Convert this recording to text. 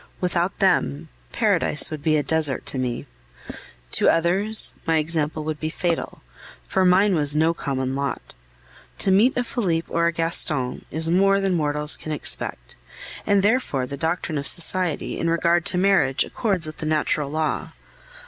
Without them, paradise would be a desert to me. "To others, my example would be fatal, for mine was no common lot. To meet a Felipe or a Gaston is more than mortals can expect, and therefore the doctrine of society in regard to marriage accords with the natural law.